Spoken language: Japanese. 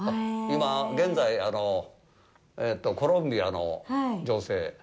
今、現在、コロンビアの女性。